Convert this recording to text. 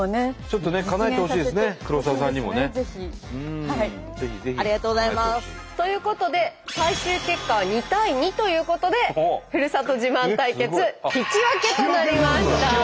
ちょっとねかなえてほしいですね黒沢さんにもね。ありがとうございます。ということで最終結果は２対２ということでふるさと自慢対決引き分けとなりました。